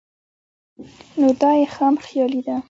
نو دا ئې خام خيالي ده